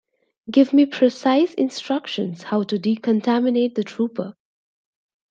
Give me precise instructions how to decontaminate the trooper.